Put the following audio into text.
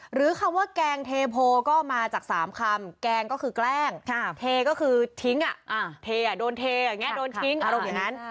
หรือคำว่าแกงเทโพลก็มาจาก๓คำแกงก็คือแกล้งเทก็คือทิ้งโดนทิ้งดิงแบบนี้